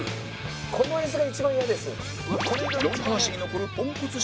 この椅子が一番嫌です。